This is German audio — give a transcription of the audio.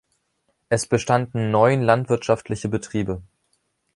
Es bestanden neun landwirtschaftliche Betriebe.